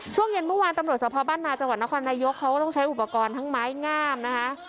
ช่วงเย็นเมื่อวานตำรวจสภาพบ้านนาจังหวัดนครนายกเขาก็ต้องใช้อุปกรณ์ทั้งไม้งามนะคะ